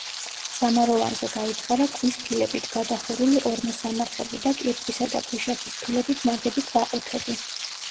სამაროვანზე გაითხარა ქვის ფილებით გადახურული ორმოსამარხები და კირქვისა და ქვიშაქვის ფილებით ნაგები ქვაყუთები.